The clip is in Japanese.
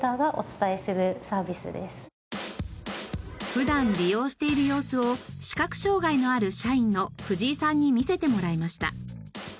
普段利用している様子を視覚障がいのある社員の藤井さんに見せてもらいました。